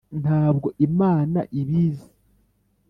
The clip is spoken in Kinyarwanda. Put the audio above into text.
ntabwo imana ibizi?